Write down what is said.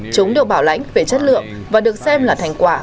chúng được bảo lãnh về chất lượng và được xem là thành quả